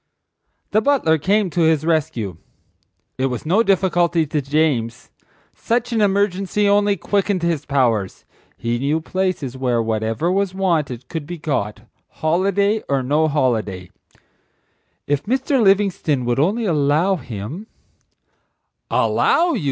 The butler came to his rescue. It was no difficulty to James. Such an emergency only quickened his powers. He knew places where whatever was wanted could be got, holiday or no holiday, and, "If Mr. Livingstone would only allow him—?" "Allow you!"